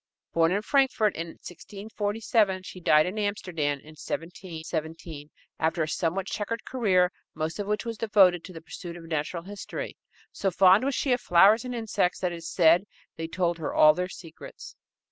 Born in Frankfort in 1647, she died in Amsterdam in 1717, after a somewhat checkered career, most of which was devoted to the pursuit of natural history. So fond was she of flowers and insects that it is said they told her all their secrets.